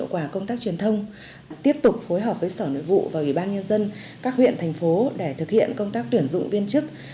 quả công tác truyền thông tiếp tục phối hợp với sở nội vụ và ủy ban nhân dân các huyện thành phố để thực hiện công tác tuyển dụng viên chức